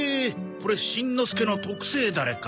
これしんのすけの特製ダレか。